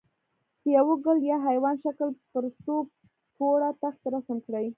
د یوه ګل یا حیوان شکل پر څو پوړه تختې رسم کړئ.